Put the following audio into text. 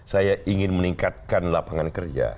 saya ingin meningkatkan lapangan kerja